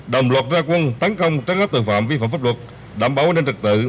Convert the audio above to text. đồng loạt ra quân tấn công trấn áp tội phạm vi phạm pháp luật đảm bảo an ninh trật tự